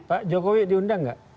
pak jokowi diundang tidak